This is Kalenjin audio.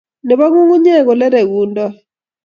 Nebo ngungunyek Oleregundoi